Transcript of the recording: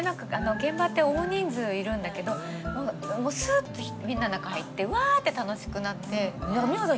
現場って大人数いるんだけどもうすっとみんなの中入ってうわって楽しくなって。